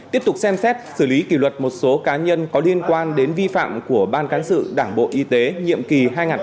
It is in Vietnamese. tiếp tục xem xét xử lý kỷ luật một số cá nhân có liên quan đến vi phạm của ban cán sự đảng bộ y tế nhiệm kỳ hai nghìn một mươi một hai nghìn hai mươi một